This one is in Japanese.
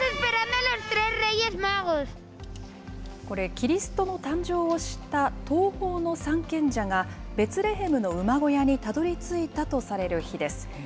これ、キリストの誕生を知った東方の三賢者が、ベツレヘムの馬小屋にたどりついたとされる日です。